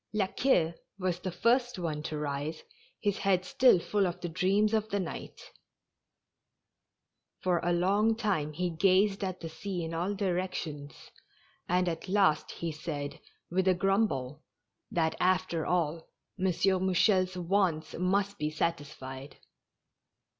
La Queue was the first one to rise, his head still full of the dreams of the night. For a long time he gazed at the sea in all directions, and at last he said, with a grumble, that after all M. Mouchel's wants must be sat isfied.